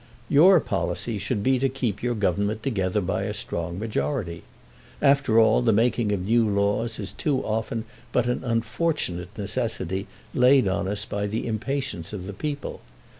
Your policy should be to keep your government together by a strong majority. After all, the making of new laws is too often but an unfortunate necessity laid on us by the impatience of the people.